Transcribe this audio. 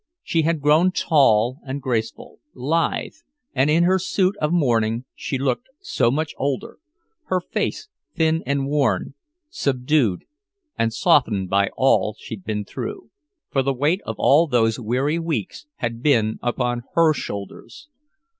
She had grown tall and graceful, lithe, and in her suit of mourning she looked so much older, her face thin and worn, subdued and softened by all she'd been through. For the weight of all those weary weeks had been upon her shoulders.